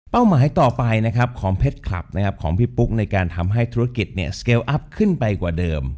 เป้าหมายต่อไปของเผ็ดคลับของพี่ปุ๊กในการทำให้ธุรกิจสเกลอัพขึ้นไปกว่าเดิม